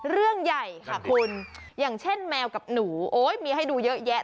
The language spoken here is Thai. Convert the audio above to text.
เรื่องใหญ่ค่ะคุณอย่างเช่นแมวกับหนูโอ้ยมีให้ดูเยอะแยะ